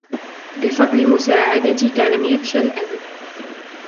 بفضل مساعدتك ، لم يفشل أبي.